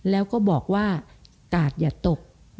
แล้วก็บอกว่ากาดอย่าตก